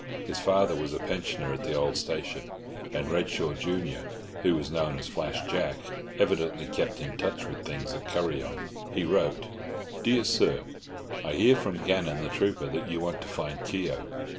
His father was a pensioner at the old station, and Redshaw junior, who was known as Flash Jack, evidently kept in touch with things at Kuryong. He wrote Dear Sir, I hear from Gannon the trooper that you want to find Keogh.